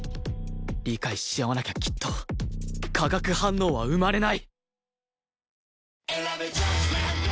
理解し合わなきゃきっと化学反応は生まれない！